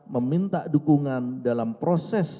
meminta dukungan dalam proses